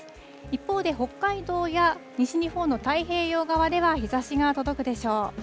一方で、北海道や西日本の太平洋側では日ざしが届くでしょう。